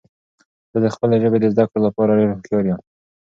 زه د خپلې ژبې د زده کړو لپاره ډیر هوښیار یم.